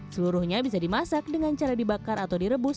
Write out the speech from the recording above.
seluruhnya bisa dimasak dengan cara dibakar atau direbus